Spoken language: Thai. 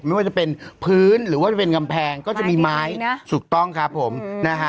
ไม่ว่าจะเป็นพื้นหรือว่าจะเป็นกำแพงก็จะมีไม้นะถูกต้องครับผมนะฮะ